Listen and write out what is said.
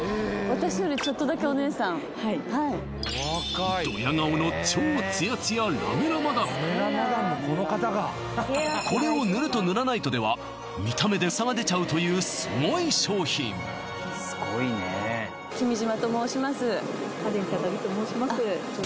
私よりちょっとだけお姉さんドヤ顔のこれを塗ると塗らないとでは見た目で差が出ちゃうというすごい商品君島と申します